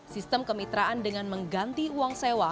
sistem kemitraan dengan mengganti uang sewa